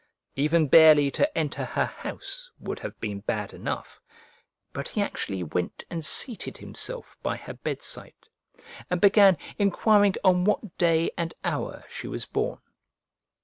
Even barely to enter her house would have been bad enough, but he actually went and seated himself by her bed side and began enquiring on what day and hour she was born.